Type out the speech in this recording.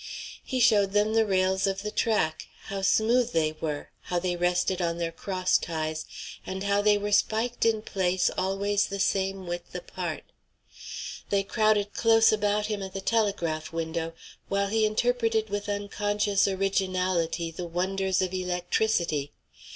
He showed them the rails of the track, how smooth they were, how they rested on their cross ties, and how they were spiked in place always the same width apart. They crowded close about him at the telegraph window while he interpreted with unconscious originality the wonders of electricity.